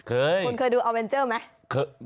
คุณเคยดูออเวนเจอร์ไหม